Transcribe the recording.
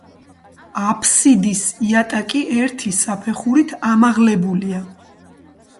აფსიდის იატაკი ერთი საფეხურით ამაღლებულია.